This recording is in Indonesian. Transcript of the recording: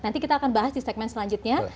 nanti kita akan bahas di segmen selanjutnya